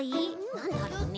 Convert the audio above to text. なんだろうね。